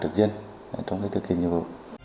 thực dân trong việc thực hiện nhiệm vụ